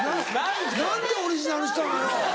・何でオリジナルにしたのよ。